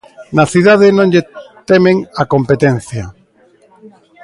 Na cidade non lle temen á competencia.